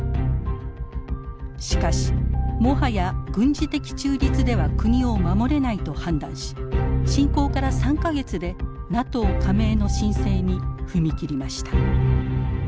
しかしもはや軍事的中立では国を守れないと判断し侵攻から３か月でＮＡＴＯ加盟の申請に踏み切りました。